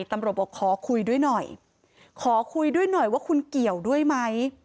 ตำรวจบอกขอคุยด้วยหน่อยขอคุยด้วยหน่อยว่าคุณเกี่ยวด้วยไหม